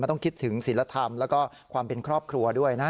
ต้องคิดถึงศิลธรรมแล้วก็ความเป็นครอบครัวด้วยนะ